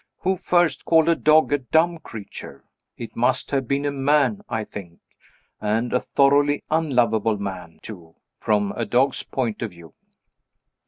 Who first called a dog a dumb creature? It must have been a man, I think and a thoroughly unlovable man, too, from a dog's point of view.